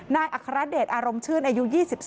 นายอัครเดชอารมชื่นอายุ๒๒